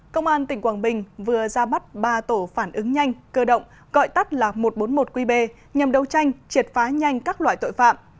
công an tỉnh quảng bình vừa ra mắt ba tổ phản ứng nhanh cơ động gọi tắt là một trăm bốn mươi một qb nhằm đấu tranh triệt phá nhanh các loại tội phạm